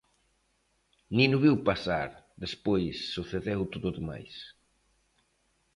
Nin o viu pasar... despois, sucedeu todo o demais.